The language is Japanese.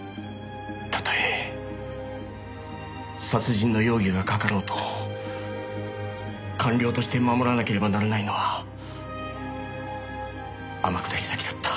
たとえ殺人の容疑がかかろうと官僚として守らなければならないのは天下り先だった。